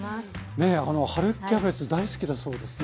春キャベツ大好きだそうですね。